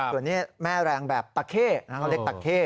ส่วนนี้แม่แรงแบบตะเข้เขาเรียกตะเข้